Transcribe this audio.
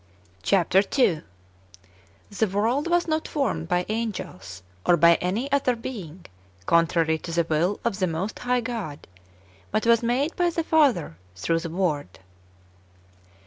Chap. ii. — The wo^^ld was not formed hy angels, or by any other being, contrary to the icill of the most high God, hut ivas made by the Father through the Word.